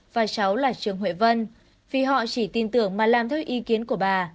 và cháu là trường huệ vân vì họ chỉ tin tưởng mà làm theo ý kiến của bà